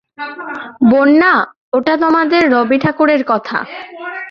বন্যা, ওটা তোমাদের রবি ঠাকুরের কথা।